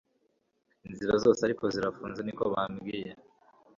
Inzira Zose Ariko zirafunze niko babwiye